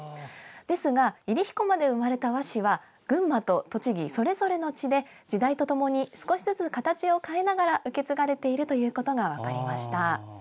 ですが、入飛駒で生まれた和紙は群馬と栃木それぞれの地で時代とともに少しずつ形を変えながら受け継がれていることが分かりました。